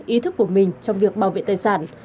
ý thức của mình trong việc bảo vệ tài sản